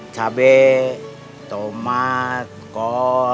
cabai tomat kol